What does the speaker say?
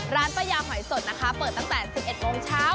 ร้านป้ายาหอยสดนะคะเปิดตั้งแต่๑๑โมงเช้า